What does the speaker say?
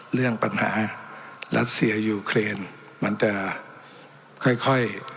เรื่องปัญหารัสเซียยูเครนมันจะค่อย